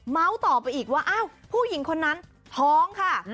ต่อไปอีกว่าอ้าวผู้หญิงคนนั้นท้องค่ะ